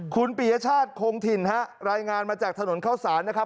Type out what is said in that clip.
คุณปียชาติคงถิ่นฮะรายงานมาจากถนนเข้าสารนะครับ